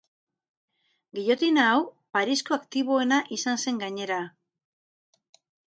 Gillotina hau Parisko aktiboena izan zen gainera.